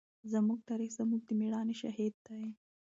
زموږ تاریخ زموږ د مېړانې شاهد دی.